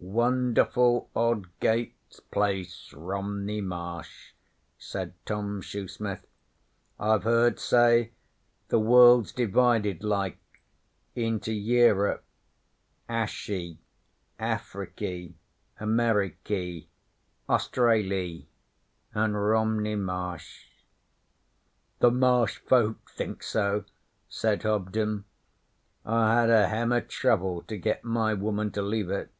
'Won'erful odd gates place Romney Marsh,' said Tom Shoesmith. 'I've heard say the world's divided like into Europe, Ashy, Afriky, Ameriky, Australy, an' Romney Marsh.' 'The Marsh folk think so,' said Hobden. 'I had a hem o' trouble to get my woman to leave it.'